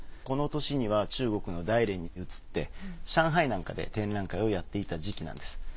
この年には中国の大連に移って上海なんかで展覧会をやっていた時期なんです。